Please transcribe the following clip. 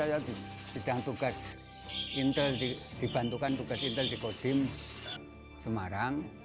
saya di bidang tugas intel dibantukan tugas intel di kodim semarang